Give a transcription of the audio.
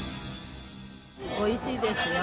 おいしいですよ。